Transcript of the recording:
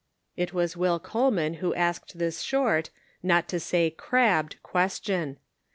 It was Will Coleman who asked this short, not to say crabbed, question.